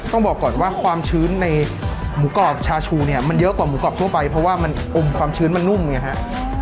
ต้องบอกก่อนว่าความชื้นในหมูกรอบชาชูเนี่ยมันเยอะกว่าหมูกรอบทั่วไปเพราะว่ามันอมความชื้นมันนุ่มไงฮะ